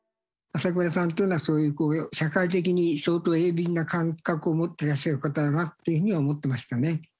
朝倉さんというのはそういう社会的に相当鋭敏な感覚を持ってらっしゃる方だなというふうに思ってましたね。